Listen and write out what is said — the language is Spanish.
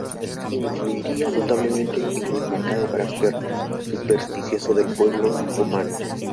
Influiría notablemente en el marcado carácter supersticioso del pueblo romano.